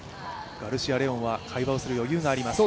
ガルシア・レオンは会話をする余裕があります。